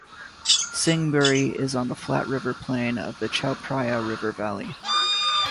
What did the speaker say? Sing Buri is on the flat river plain of the Chao Phraya River valley.